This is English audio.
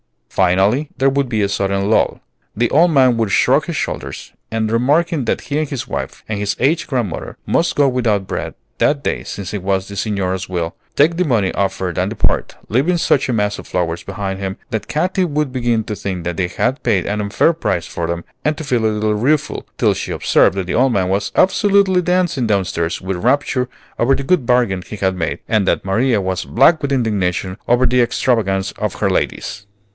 Finally, there would be a sudden lull. The old man would shrug his shoulders, and remarking that he and his wife and his aged grandmother must go without bread that day since it was the Signora's will, take the money offered and depart, leaving such a mass of flowers behind him that Katy would begin to think that they had paid an unfair price for them and to feel a little rueful, till she observed that the old man was absolutely dancing downstairs with rapture over the good bargain he had made, and that Maria was black with indignation over the extravagance of her ladies!